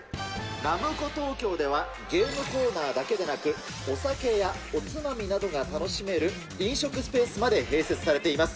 ナムコトーキョーでは、ゲームコーナーだけでなく、お酒やおつまみなどが楽しめる飲食スペースが併設されています。